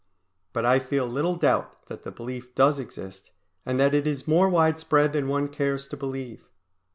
But I feel little doubt that the belief does exist, and that it is more widespread than one cares to believe.